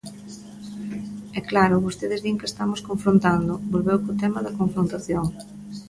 E, claro, vostedes din que estamos confrontando, volveu co tema da confrontación.